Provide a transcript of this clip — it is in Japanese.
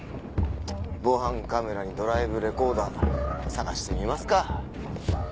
防犯カメラにドライブレコーダー捜してみますか。